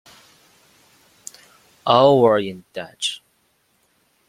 All were in Dutch.